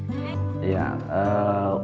pertama anak anak berpengalaman untuk membuat film